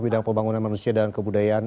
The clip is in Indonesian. bidang pembangunan manusia dan kebudayaan